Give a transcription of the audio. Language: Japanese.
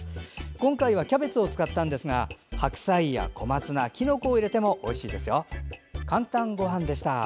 今回はキャベツを使ったんですが白菜や小松菜、きのこを入れてもおいしいですよ。